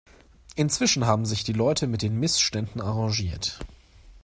Inzwischen haben sich die Leute mit den Missständen arrangiert.